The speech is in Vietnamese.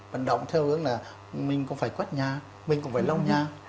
vận động theo hướng là mình cũng phải quét nhà mình cũng phải lâu nhà